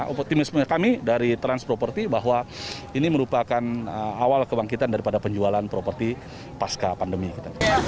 optimisme kami dari transproperty bahwa ini merupakan awal kebangkitan daripada penjualan properti pasca pandemi